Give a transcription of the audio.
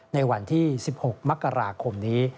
ในวันที่๑๖มกราคมนี้